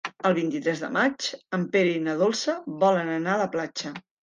El vint-i-tres de maig en Pere i na Dolça volen anar a la platja.